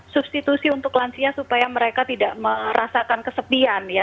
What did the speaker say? substitusi untuk lansia supaya mereka tidak merasakan kesepian ya